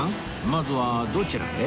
まずはどちらへ？